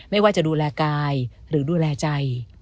ไม่ว่าจะดูแลกายหรือดูแลใจ